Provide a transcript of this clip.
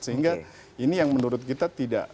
sehingga ini yang menurut kita tidak